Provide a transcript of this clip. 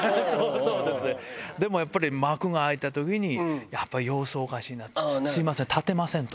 そうですね、でもやっぱり、幕が開いたときに、やっぱり様子おかしいなと、すみません、立てませんと。